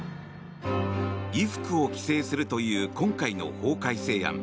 衣服を規制するという今回の法改正案。